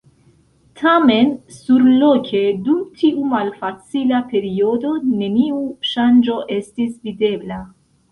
Tamen, surloke, dum tiu malfacila periodo, neniu ŝanĝo estis videbla.